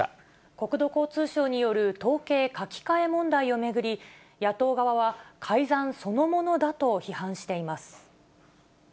国土交通省による統計書き換え問題を巡り、野党側は、改ざんそのものだと批判しています。